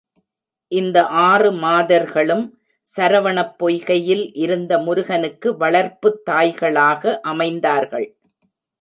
இந்த ஆறு மாதர்களும் சரவணப் பொய்கையில் இருந்த முருகனுக்கு வளர்ப்புத் தாய்களாக அமைந்தார்கள்.